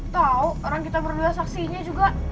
tau orang kita berdua saksinya juga